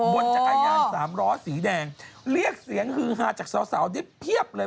บนจักราย่าน๓ล้อสีแดงเรียกเสียงฮือหาจากสาวที่เพียบเลย